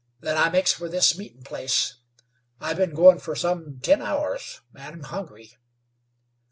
Then I makes for this meetin' place. I've been goin' for some ten hours, and am hungry."